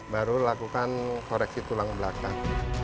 baru lakukan koreksi tulang belakang